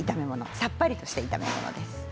さっぱりとした炒め物です。